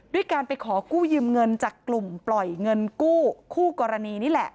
ด้วยการไปขอกู้ยืมเงินจากกลุ่มปล่อยเงินกู้คู่กรณีนี่แหละ